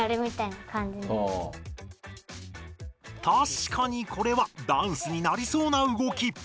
たしかにこれはダンスになりそうな動き。